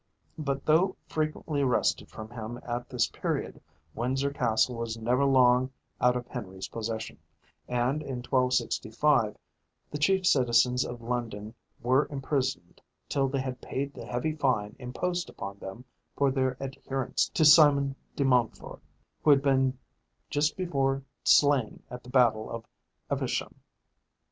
But though frequently wrested from him at this period, Windsor Castle was never long out of Henry's possession; and in 1265 the chief citizens of London were imprisoned till they had paid the heavy fine imposed upon them for their adherence to Simon de Montford, who had been just before slain at the battle of Evesham.